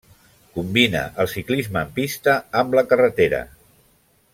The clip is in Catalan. Combina el ciclisme en pista, amb la carretera.